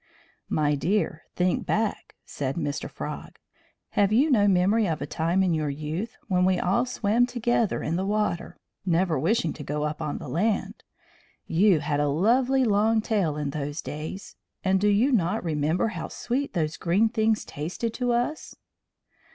"My dear, think back," said Mr. Frog. "Have you no memory of a time in your youth when we all swam together in the water, never wishing to go up on the land? You had a lovely long tail in those days. And do you not remember how sweet those green things tasted to us?"